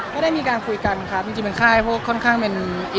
ก็ได้มีการคุยกันจริงจริงคร่ายพวกข้อนข้างนี้